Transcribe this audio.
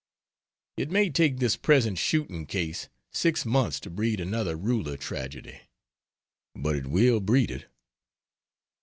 It may take this present shooting case six months to breed another ruler tragedy, but it will breed it.